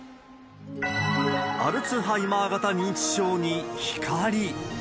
アルツハイマー型認知症に光。